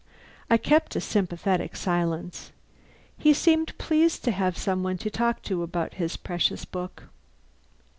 I kept a sympathetic silence. He seemed pleased to have some one to talk to about his precious book.